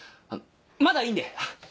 まだいいんで！